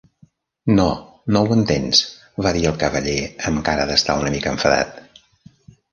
"No, no ho entens", va dir el Cavaller, amb cara d'estar una mica enfadat.